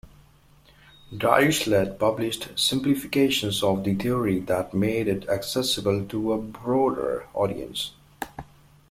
Dirichlet published simplifications of the theory that made it accessible to a broader audience.